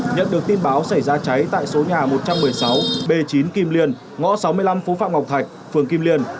nhận được tin báo xảy ra cháy tại số nhà một trăm một mươi sáu b chín kim liên ngõ sáu mươi năm phố phạm ngọc thạch phường kim liên